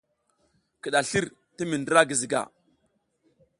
Kiɗaslir ti mi ndra Giziga.